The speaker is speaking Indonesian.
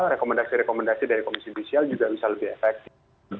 rekomendasi rekomendasi dari komisi judisial juga bisa lebih efektif